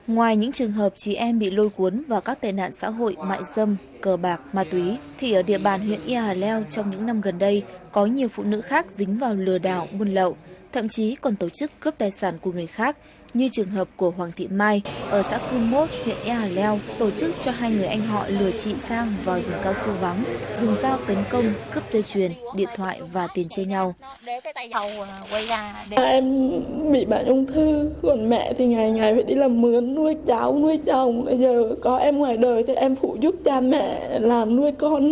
ngoài những trường hợp chị em bị lôi cuốn và các tên nạn xã hội mại dâm cờ bạc ma túy thì ở địa bàn huyện y hà leo trong những năm gần đây có nhiều phụ nữ khác dính vào lừa tấn công cướp tê truyền điện thoại và tiền che nhau